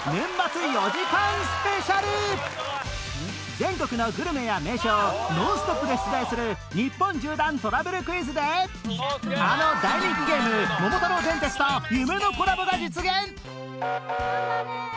全国のグルメや名所をノンストップで出題する日本縦断トラベルクイズであの大人気ゲーム『桃太郎電鉄』と夢のコラボが実現！